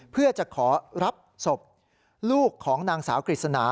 เพื่อจะขอรับศพลูกของนางสาวกฤษณา